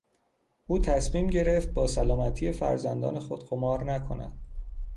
او تصمیم گرفت با سلامتی فرزندان خود قمار نکند.